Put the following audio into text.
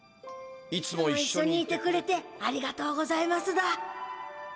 「いつもいっしょにいてくれてありがとうございますだ」。